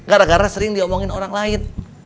gara gara sering diomongin orang lain